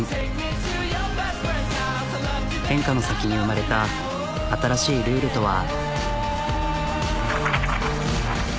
変化の先に生まれた新しいルールとは。